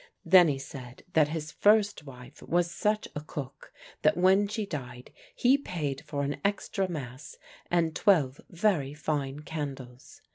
Then he said that his first wife was such a cook that when she died he paid for an extra mass and twelve very fine candles.